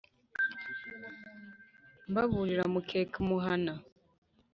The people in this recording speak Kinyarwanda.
mbaburira mu keka umuhana.